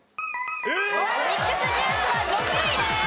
ミックスジュースは６位です。